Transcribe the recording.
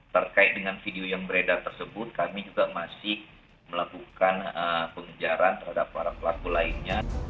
terkait dengan video yang beredar tersebut kami juga masih melakukan pengejaran terhadap para pelaku lainnya